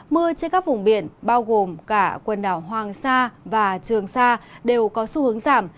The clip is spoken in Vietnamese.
mưa trên các vùng biển bao gồm cả quần đảo hoàng sa và trường sa đều có xu hướng giảm